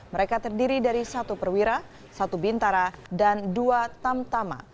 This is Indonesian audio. mereka terdiri dari satu perwira satu bintara dan dua tamtama